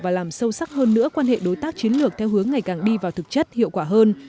và làm sâu sắc hơn nữa quan hệ đối tác chiến lược theo hướng ngày càng đi vào thực chất hiệu quả hơn